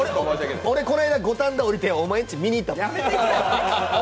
俺この間、五反田で降りてお前んち見に行ったもん。